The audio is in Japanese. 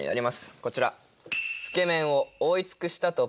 こちら。